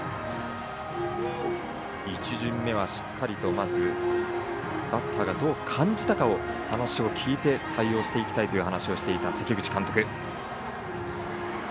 １巡目は、しっかりとバッターがどう感じたかを話を聞いて対応していきたいと話していた関口監督。